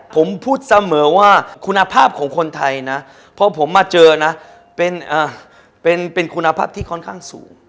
ผมพูดเสมอว่าคุณภาพของคนไทยนะพอผมมาเจอนะเป็นคุณภาพที่ค่อนข้างสูง